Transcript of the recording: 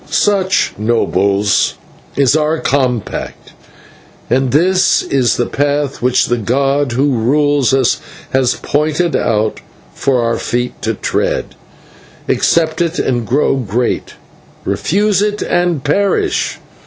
"Such, nobles, is our compact, and this is the path which the god who rules us has pointed out for our feet to tread. Accept it and grow great refuse it and perish.